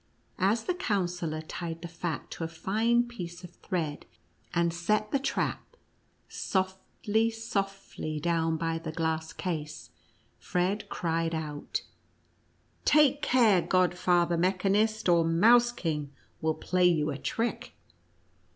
As the Counsellor tied the fat to a fine piece of thread, and set the trap softly, softly down by the glass case, Fred cried out :" Take care, Godfather Mechanist, or Mouse King will play you a trick